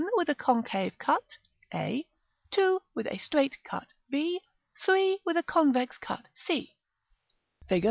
with a concave cut, a; 2. with a straight cut, b; 3. with a convex cut, c, Fig.